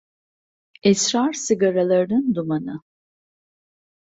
Esrar sigaralarının dumanı.